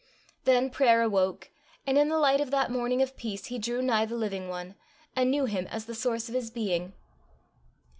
Then prayer awoke, and in the light of that morning of peace he drew nigh the living one, and knew him as the source of his being.